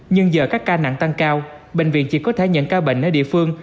nhưng giờ các ca nặng tăng cao bệnh viện chỉ có thể nhận ca bệnh ở địa phương